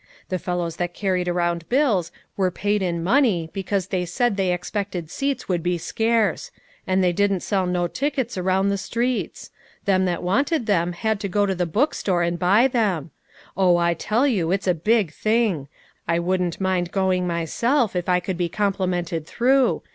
The fellows that carried around bills were paid in money because they said they expected seats would be scarce ; and they didn't sell no tickets around the streets. Them that wanted them had to go to the book store and buy them. Oh, I tell you, it's a big thing. I wouldn't mind going myself if I could be complimented through.